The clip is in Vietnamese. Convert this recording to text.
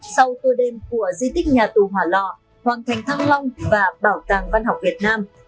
sau tour đêm của di tích nhà tù hòa lò hoàng thành thăng long và bảo tàng văn học việt nam